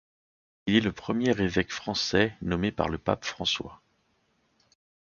Il est le premier évêque français nommé par le Pape François.